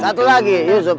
satu lagi yusuf